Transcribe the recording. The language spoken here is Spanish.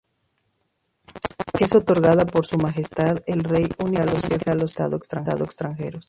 Es otorgada por Su Majestad, el Rey únicamente a los Jefes de Estado extranjeros.